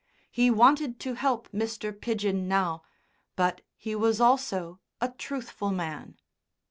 He wanted to help Mr. Pidgen now; but he was also a truthful man.